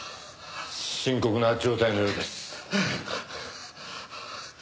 深刻な状態のようです。